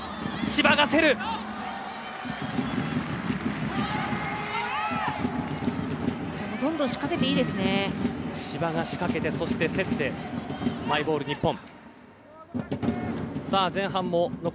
千葉が仕掛けて、競ってマイボール、日本。